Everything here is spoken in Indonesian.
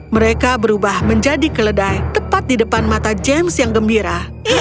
mereka berubah menjadi keledai tepat di depan mata james yang gembira